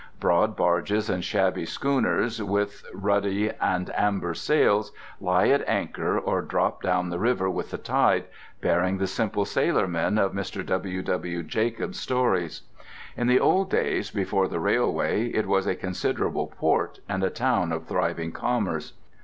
Broad barges and shabby schooners, with ruddy and amber sails, lie at anchor or drop down the river with the tide, bearing the simple sailormen of Mr. W.W. Jacobs's stories. In the old days before the railway it was a considerable port and a town of thriving commerce.